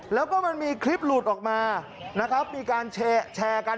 แล้วก็มันมีคลิปหลุดออกมานะครับมีการแชร์กัน